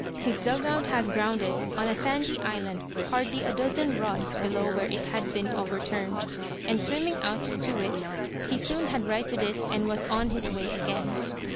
His dug out had grounded on a sandy island hardly a dozen rods below where it had been overturned, and swimming out to it, he soon had righted it and was on his way again.